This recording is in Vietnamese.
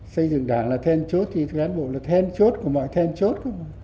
xây dựng đảng là then chốt thì cái cán bộ là then chốt của mọi then chốt